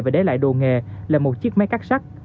và để lại đồ nghề là một chiếc máy cắt sắt